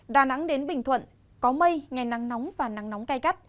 đà nẵng đến bình thuận có mây ngày nắng nóng và nắng nóng cay gắt